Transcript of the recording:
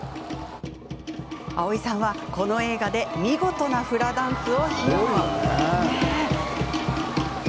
蒼井さんは、この映画で見事なフラダンスを披露。